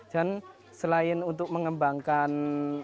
dan selain untuk mengembangkan